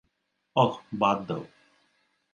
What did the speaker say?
অহ, বাদ দাও।